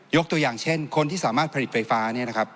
ตัวอย่างเช่นคนที่สามารถผลิตไฟฟ้าเนี่ยนะครับ